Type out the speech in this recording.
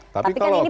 tapi kalau kemudian